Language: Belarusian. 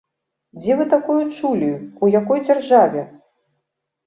Дзе вы такое чулі, у якой дзяржаве?